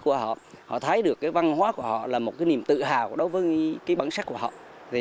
của họ họ thấy được cái văn hóa của họ là một cái niềm tự hào đối với cái bản sắc của họ về